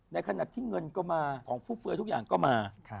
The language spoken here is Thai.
ในขณะที่เงินก็มาของฟุ่มเฟือทุกอย่างก็มา